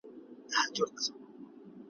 تا ویل د بنده ګانو نګهبان یم ,